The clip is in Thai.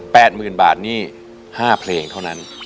หมื่นบาทนี่ห้าเพลงเท่านั้น